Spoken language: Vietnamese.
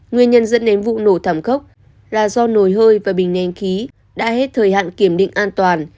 nguyên nhân dẫn đến vụ nổ thảm khốc là do nồi hơi và bình nén khí đã hết thời hạn kiểm định an toàn